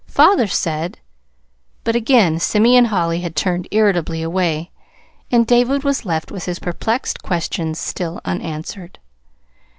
"Father said " But again Simeon Holly had turned irritably away; and David was left with his perplexed questions still unanswered.